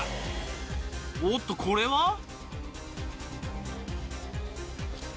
おっとこれは？